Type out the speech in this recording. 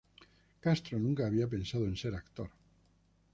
Castro nunca había pensado en ser actor.